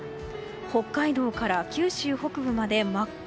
北海道から九州北部まで真っ赤。